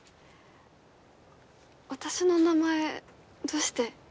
私の名前どうして？